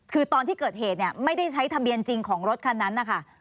คือตอนที่เกิดเหตุเนี่ยไม่ได้ใช้ทะเบียนจริงของรถคันนั้นนะคะ